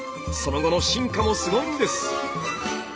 その後の進化もすごいんです。